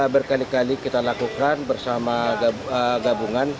berkali kali kita lakukan bersama gabungan